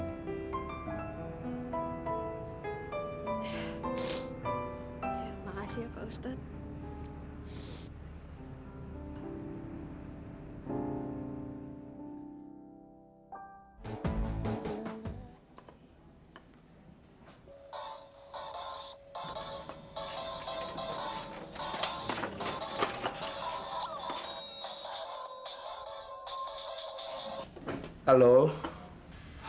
terima kasih pak ustadz